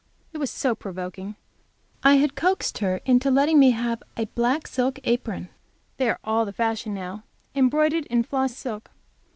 It was so provoking. I had coaxed her into letting me have a black silk apron; they are all the fashion now, embroidered in floss silk.